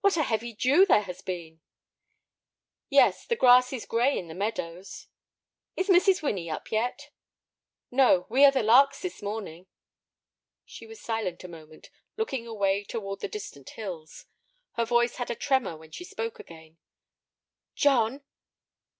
"What a heavy dew there has been!" "Yes; the grass is gray in the meadows." "Is Mrs. Winnie up yet?" "No; we are the larks this morning." She was silent a moment, looking away toward the distant hills. Her voice had a tremor when she spoke again. "John!"